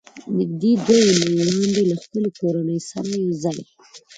نږدې دوه اوونۍ وړاندې له خپلې کورنۍ سره یو ځای